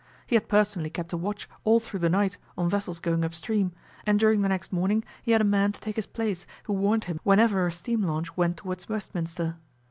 He had personally kept a watch all through the night on vessels going upstream, and during the next morning he had a man to take his place who warned him whenever a steam launch went towards Westminster.